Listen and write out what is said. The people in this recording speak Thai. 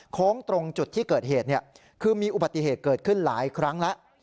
โค้งตรงจุดที่เกิดเหตุคือมีอุบัติเหตุเกิดขึ้นหลายครั้งแล้ว